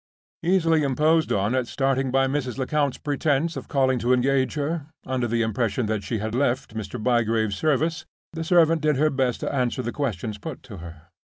Easily imposed on at starting by Mrs. Lecount's pretense of calling to engage her, under the impression that she had left Mr. Bygrave's service, the servant did her best to answer the questions put to her.